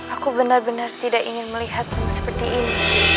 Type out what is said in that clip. aku benar benar tidak ingin melihatmu seperti ini